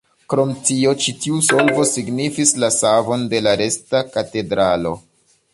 Krom tio ĉi tiu solvo signifis la savon de la resta katedralo.